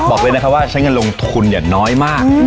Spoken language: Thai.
บอกเลยนะครับว่าใช้เงินลงทุนน้อยมาก